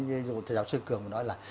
ví dụ thầy giáo sư cường nói là